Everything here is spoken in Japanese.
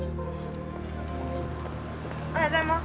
おはようございます。